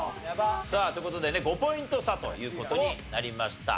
さあという事でね５ポイント差という事になりました。